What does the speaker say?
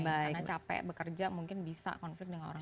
karena capek bekerja mungkin bisa konflik dengan orang lain